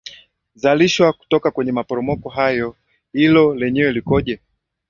zalishwa kutoka kwenye maporomoka hayo hilo lenyewe likoje